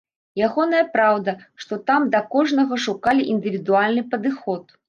Ягоная праўда, што там да кожнага шукалі індывідуальны падыход.